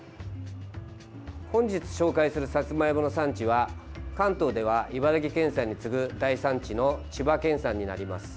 本日、紹介するさつまいもの産地は関東では茨城県産に次ぐ大産地の千葉県産になります。